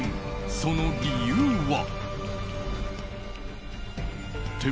その理由は。